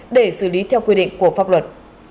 để xử lý theo quy định của pháp luật